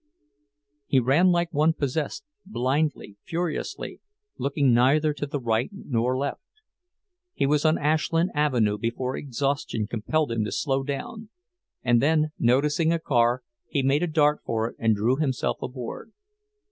He ran like one possessed, blindly, furiously, looking neither to the right nor left. He was on Ashland Avenue before exhaustion compelled him to slow down, and then, noticing a car, he made a dart for it and drew himself aboard.